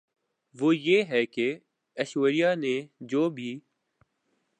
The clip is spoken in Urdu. وہ یہ ہے کہ ایشوریا نے جو بھی